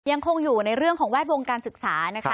ยังคงอยู่ในเรื่องของแวดวงการศึกษานะคะ